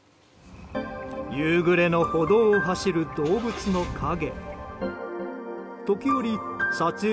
夕暮れの歩道を走る動物の影。